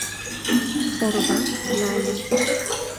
Орвам нальым -